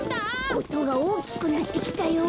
おとがおおきくなってきたよ。